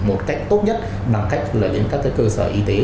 một cách tốt nhất bằng cách đến các cơ sở y tế